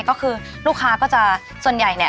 ก็คือลูกค้าก็จะส่วนใหญ่เนี่ย